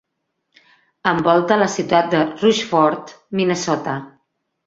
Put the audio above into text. Envolta la ciutat de Rushford, Minnesota.